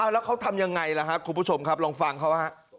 แล้วเขาทำยังไงล่ะครับคุณผู้ชมครับลองฟังเขาฮะ